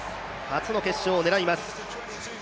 初の決勝をを狙います。